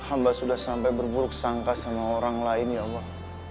hamba sudah sampai berburuk sangka sama orang lain ya allah